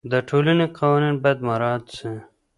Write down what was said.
د ټولني قوانین باید مراعات سي.